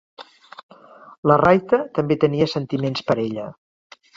La Raita també tenia sentiments per ella.